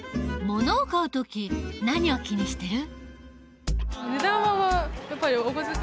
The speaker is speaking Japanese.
ものを買う時何を気にしてる？